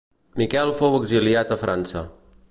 Miquel fou exiliat a França.